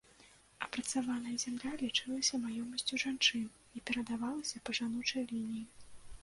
Апрацаваная зямля лічылася маёмасцю жанчын і перадавалася па жаночай лініі.